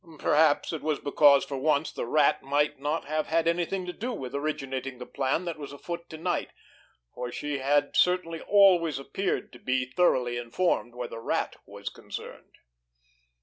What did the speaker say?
Perhaps it was because, for once, the Rat might not have had anything to do with originating the plan that was afoot to night, for she had certainly always appeared to be thoroughly informed where the Rat was concerned!